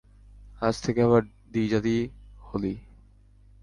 আজ থেকে আবার দ্বি-জাতি হলি।